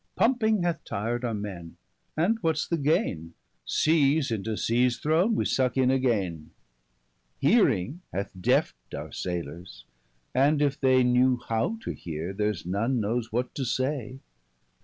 60 Pumping hath tir'd our men, and what's the gaine? Seas into seas throwne, we suck in againe; Hearing hath deaf'd our saylers; and if they Knew how to heare, there's none knowes what to say.